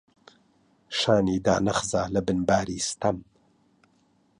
شانی دانەخزا لەبن باری ستەم،